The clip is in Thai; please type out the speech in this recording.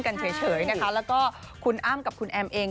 แล้วก็คุณอ้ำกับคุณแอมเอง